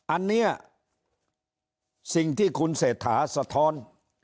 อันนี้สิ่งที่คุณเศรษฐาสะท้อน